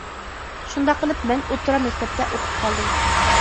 شۇنداق قىلىپ مەن ئوتتۇرا مەكتەپتە ئوقۇپ قالدىم.